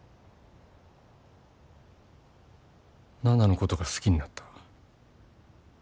奈々のことが好きになった。